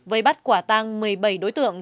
với bắt quả tàng một mươi bảy đối tượng